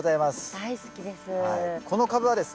大好きです。